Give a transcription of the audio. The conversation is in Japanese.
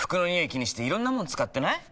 気にしていろんなもの使ってない？